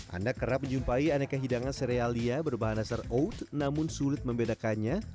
anda kerap menjumpai aneka hidangan serealia berbahan dasar oat namun sulit membedakannya